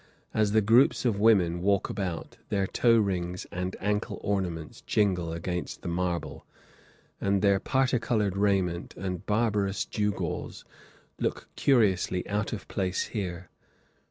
As the groups of women walk about, their toe rings and ankle ornaments jingle against the marble, and their particolored raiment and barbarous gewgaws look curiously out of place here.